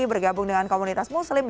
bergabung dengan komunitas muslim